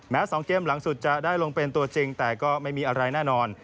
๒เกมหลังสุดจะได้ลงเป็นตัวจริงแต่ก็ไม่มีอะไรแน่นอน